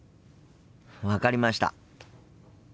分かりました。